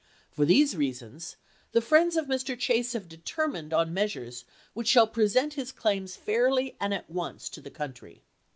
For these reasons the friends of Mr. Chase have determined on measures which shall present his claims fairly and at once to the country.